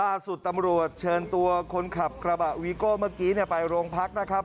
ล่าสุดตำรวจเชิญตัวคนขับกระบะวีโก้เมื่อกี้ไปโรงพักนะครับ